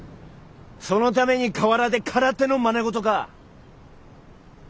そのために河原で空手のまね事か。